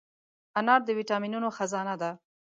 انار د ویټامینونو خزانه ده.